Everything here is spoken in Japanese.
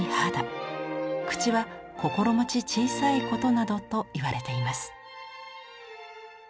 口はこころもち小さいことなどといわれています。